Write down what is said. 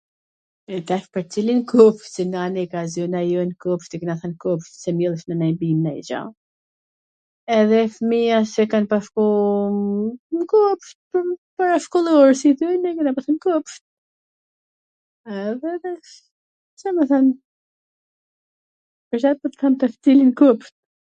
tash pwr cilwn kopsht, se na andej nga zona jon kopsht i kena thwn kopshtit se mbillshim nonj bim nonj gja edhe fmija se kan pas shku n kopsht parashkollor, si i themi ne, n kopsht, edhe Ca me than...